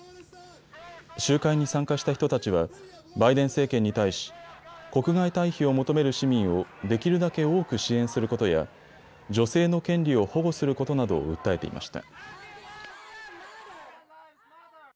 集会に参加した人たちはバイデン政権に対し、国外退避を求める市民をできるだけ多く支援することや女性の権利を保護することなどを訴えていました。